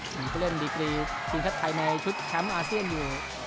มีเพื่อนดีปรีพิธีคัตไทยในชุดแชมป์อาเซียนอยู่